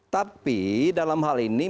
tapi dalam hal ini